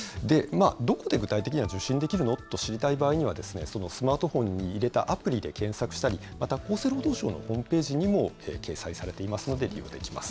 どこで、具体的には受診できるのと知りたい場合には、スマートフォンに入れたアプリで検索したり、また、厚生労働省のホームページにも掲載されていますので、利用できます。